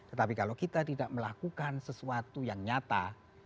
tetapi kalau kita tidak melakukan sesuatu yang nyata